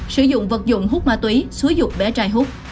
sử dụng vật dụng hút ma túy xúi dục bé trai hút